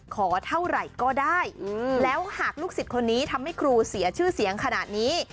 ขอเท่าไหร่ก็ได้แล้วหากลูกศิษย์คนนี้ทำให้ครูเสียชื่อเสียงขนาดนี้